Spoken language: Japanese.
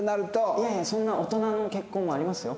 いやいやそんな大人の結婚もありますよ。